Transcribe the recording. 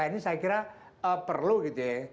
ini saya kira perlu gitu ya